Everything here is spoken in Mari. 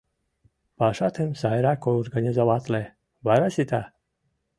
Пашатым сайрак организоватле, вара сита.